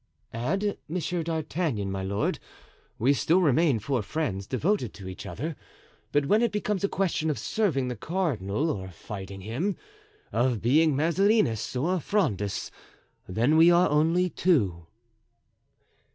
"Add Monsieur d'Artagnan, my lord. We still remain four friends devoted to each other; but when it becomes a question of serving the cardinal or of fighting him, of being Mazarinists or Frondists, then we are only two."